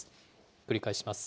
繰り返します。